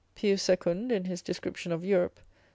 Pius Secund. in his description of Europe, c.